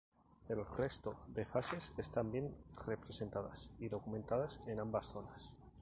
El resto de fases están bien representadas y documentadas en ambas zonas.